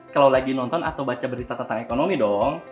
kalau lagi nonton atau baca berita tentang ekonomi dong